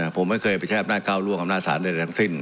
ผมไม่เคยไปแชร่อหัศจรรย์เก้าร่วงอำนาจศาลในเดินทางสิ้น